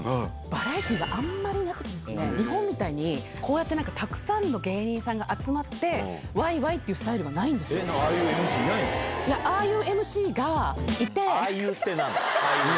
バラエティーはあんまりなくてですね、日本みたいに、こうやってたくさんの芸人さんが集まって、わいわいっていうスタああいうＭＣいないの？